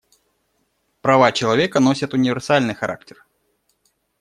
Права человека носят универсальный характер.